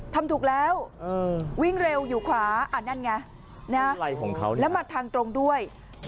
ทำถูกแล้ววิ่งเร็วอยู่ขวานั่นไงของเขาแล้วมาทางตรงด้วย